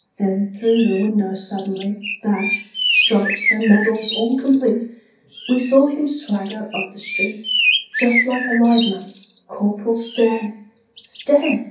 Then through the window suddenly, Badge, stripes and medals all complete, We saw him swagger up the street, Just like a live man—Corporal Stare! Stare!